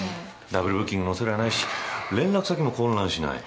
ダブルブッキングの恐れはないし連絡先も混乱しない。